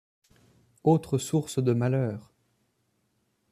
Autre source de malheurs !